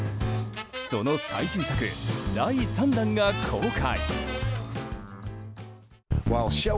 その最新作、第３弾が公開。